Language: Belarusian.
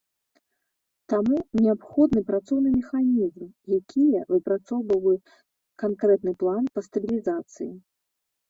Таму, неабходны працоўны механізм, якія выпрацаваў бы канкрэтны план па стабілізацыі.